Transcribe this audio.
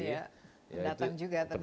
ya datang juga ternyata